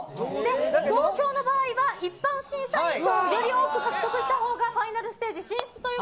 同票の場合は一般審査員票をより多く獲得した方がファイナルステージ進出。